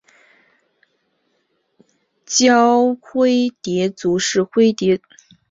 娆灰蝶族是灰蝶科线灰蝶亚科里的一个族。